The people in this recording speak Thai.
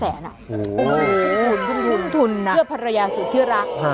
โอ้โฮรุนทุนนะเพื่อภรรยาสูตรเชื่อรัก